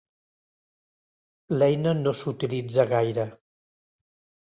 L'eina no s'utilitza gaire.